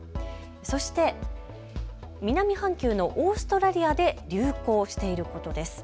そして南半球のオーストラリアで流行していることです。